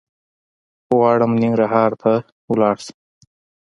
غواړم ننګرهار ته لاړ شم